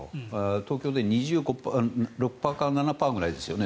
東京で２５％か２６％ぐらいですよね。